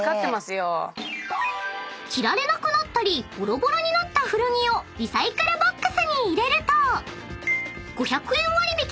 ［着られなくなったりボロボロになった古着をリサイクルボックスに入れると］